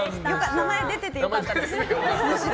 名前出てよかったです、むしろ。